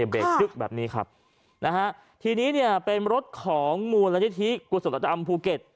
เบรกยึกแบบนี้ครับนะฮะทีนี้เนี่ยเป็นรถของมูลนิธิกุศลธรรมภูเก็ต